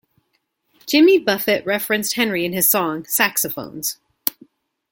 Jimmy Buffett referenced Henry in his song "Saxophones".